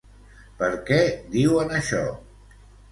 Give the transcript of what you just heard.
Per què diuen això?